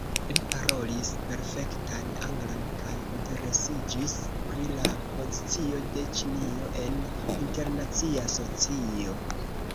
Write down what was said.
Li parolis perfektan anglan kaj interesiĝis pri la pozicio de Ĉinio en internacia socio.